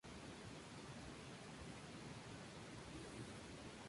Los plenipotenciarios de ambos países recibieron sus pasaportes.